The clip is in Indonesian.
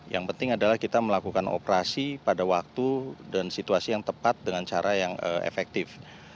yang penting adalah kita melakukan operasi pada waktu dan situasi yang tepat dengan cara yang efektif